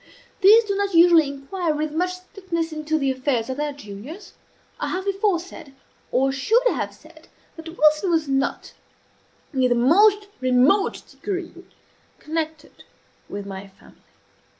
These do not usually inquire with much strictness into the affairs of their juniors. I have before said, or should have said, that Wilson was not in the most remote degree connected with my family.